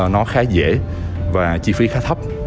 nó khá dễ và chi phí khá thấp